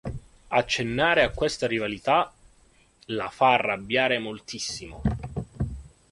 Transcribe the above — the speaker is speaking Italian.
Accennare a questa rivalità la fa arrabbiare moltissimo.